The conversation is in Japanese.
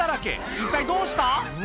一体どうした？